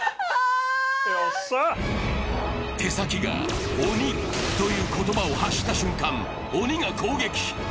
手先が「鬼」という言葉を発した瞬間、鬼が攻撃。